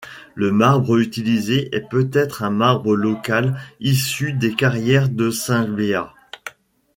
Le marbre utilisé est peut-être un marbre local issu des carrières de Saint-Béat.